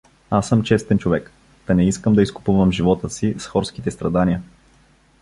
Аз съм честен човек, та не искам да изкупвам живота си с хорските страдания.